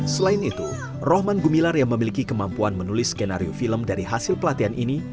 selain itu rohman gumilar yang memiliki kemampuan menulis skenario film dari hasil pelatihan ini